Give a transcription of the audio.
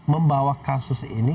membawa kasus ini